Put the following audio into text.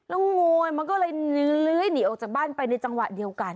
แล้วงูมันก็เลยเลื้อยหนีออกจากบ้านไปในจังหวะเดียวกัน